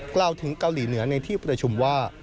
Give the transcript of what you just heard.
กล่าวถึงเกาหลีเหนือในที่ประชุมว่า